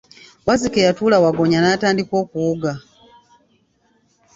Wazzike yatuula, Waggoonya n'atandika okuwuga.